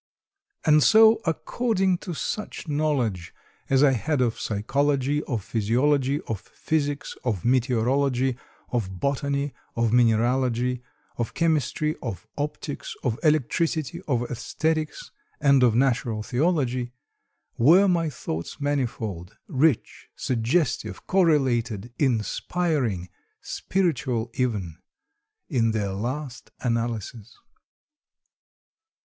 And so, according to such knowledge as I had of psychology, of physiology, of physics, of meteorology, of botany, of mineralogy, of chemistry, of optics, of electricity, of esthetics, and of natural theology, were my thoughts manifold, rich, suggestive, correlated, inspiring, spiritual even, in their last analysis.